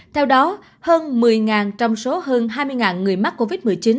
theo đó hơn một mươi trong số hơn hai mươi người mắc covid một mươi chín